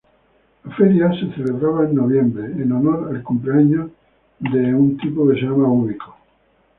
La feria se celebraba en noviembre, en honor al cumpleaños del general Ubico.